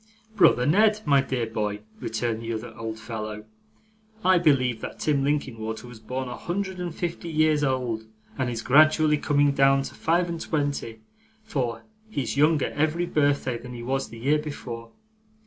'Brother Ned, my dear boy,' returned the other old fellow, 'I believe that Tim Linkinwater was born a hundred and fifty years old, and is gradually coming down to five and twenty; for he's younger every birthday than he was the year before.